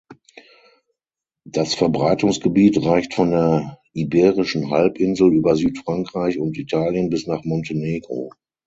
Das Verbreitungsgebiet reicht von der Iberischen Halbinsel über Südfrankreich und Italien bis nach Montenegro.